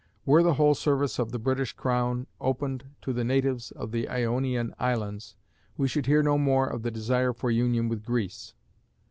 Were the whole service of the British crown opened to the natives of the Ionian Islands, we should hear no more of the desire for union with Greece.